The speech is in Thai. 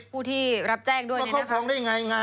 ผู้ที่รับแจ้งด้วยเนี่ยนะคะมาครอบครองได้อย่างไร